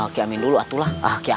kiamin dulu atuh